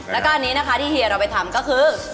แล้วก็อันนี้นะคะที่เฮียเราไปทำก็คือ